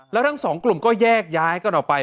แล้วทั้งสองกลุ่มก็แยกย้ายกันออกไป